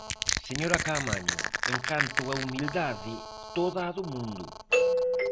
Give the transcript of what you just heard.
Señora Caamaño, en canto a humildade, toda a do mundo.